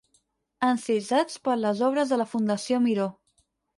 Encisats per les obres de la Fundació Miró.